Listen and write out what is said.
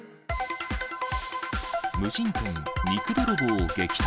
無人店、肉泥棒を撃退。